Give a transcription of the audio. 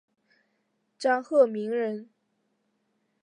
张鹤鸣人。